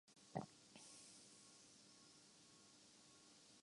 کھلاڑی کا جہاز سے بال باسکٹ کرنے کا کارنامہ